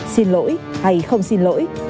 xin lỗi hay không xin lỗi